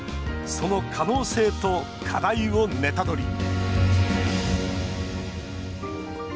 その可能性と課題をネタドリ！